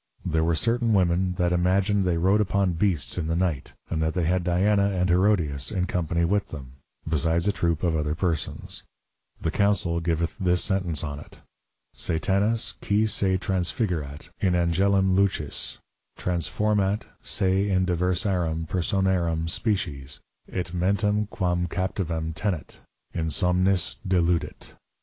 There were certain Women that imagined they rode upon Beasts in the Night, and that they had Diana and Herodius in company with them, besides a Troop of other Persons; the Council giveth this Sentence on it; _Satanas qui se transfigurat in Angelum Lucis, transformat se in diversarum personarum species, & mentem quam captivam tenet, in somnis deludit.